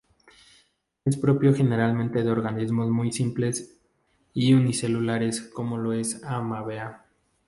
Es propio generalmente de organismos muy simples y unicelulares como lo es la ameba.